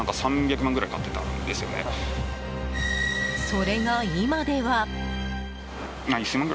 それが今では。